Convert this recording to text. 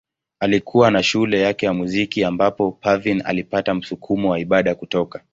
Alikuwa na shule yake ya muziki ambapo Parveen alipata msukumo wa ibada kutoka.